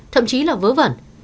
thậm chí là vớ vẩn